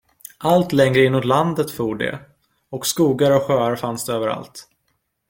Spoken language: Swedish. Allt längre inåt landet for de, och skogar och sjöar fanns det överallt.